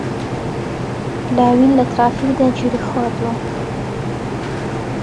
لاوین لە ترافیکدا گیری خواردووە.